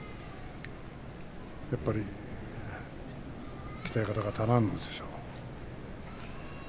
やっぱり鍛え方が足らんのでしょう。